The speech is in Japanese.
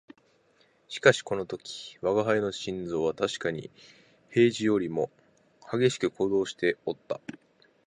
しかしこの時吾輩の心臓はたしかに平時よりも烈しく鼓動しておった